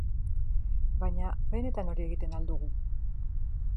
Baina benetan hori egiten al dugu?